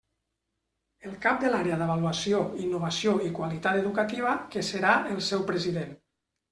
El cap de l'Àrea d'Avaluació, Innovació i Qualitat Educativa que serà el seu president.